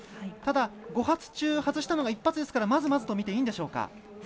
ただ５発中、外したのが１発ですから、まずまずとみていいんでしょうか。